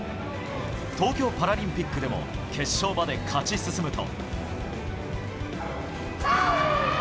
東京パラリンピックでも決勝まで勝ち進むと。